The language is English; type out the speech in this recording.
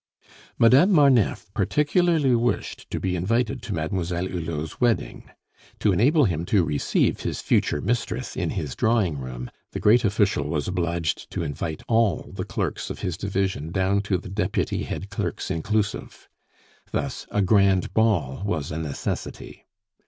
Madame Marneffe particularly wished to be invited to Mademoiselle Hulot's wedding. To enable him to receive his future mistress in his drawing room, the great official was obliged to invite all the clerks of his division down to the deputy head clerks inclusive. Thus a grand ball was a necessity.